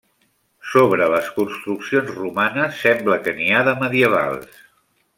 Sobre les construccions romanes sembla que n'hi ha de medievals.